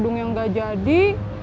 kerudung yang gak jadi